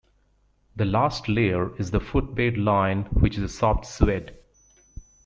The last layer is the footbed line which is a soft suede.